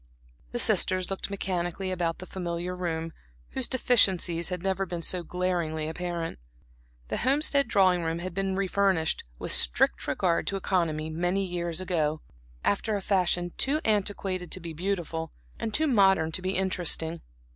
The sisters looked mechanically about the familiar room whose deficiencies had never been so glaringly apparent. The Homestead drawing room had been re furnished, with strict regard to economy many years ago, after a fashion too antiquated to be beautiful, and too modern to be interesting.